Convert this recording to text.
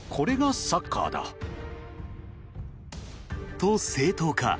と、正当化。